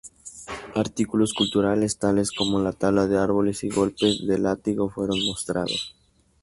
Artículos culturales tales como la tala de árboles y golpes de látigo fueron mostrados.